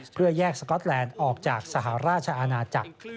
เพื่อแยกสก๊อตแลนด์ออกจากสหราชอาณาจักร